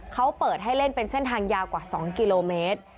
เขาเปิดให้เล่นเป็นเส้นทางยาวกว่า๒กิโลเมตร